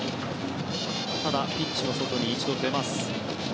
ただピッチの外に一度出ます。